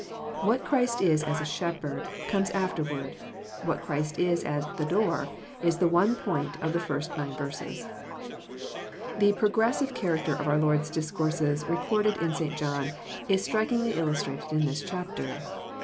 What Christ is as a " Shepherd " comes after ward ; what Christ is as "the Door " is the one point of the first nine verses. The "progressive" character of our Lord's discourses record ed in St. John, is strikingly illustrated in this chapter.